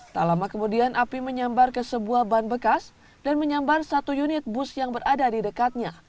tak lama kemudian api menyambar ke sebuah ban bekas dan menyambar satu unit bus yang berada di dekatnya